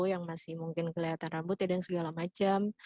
yang masih mungkin kelihatan rambut ya dan segala macam